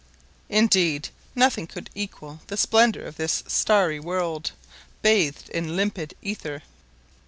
Indeed, nothing could equal the splendor of this starry world, bathed in limpid ether.